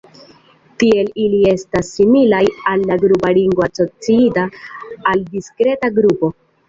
Tiel ili estas similaj al la grupa ringo asociita al diskreta grupo.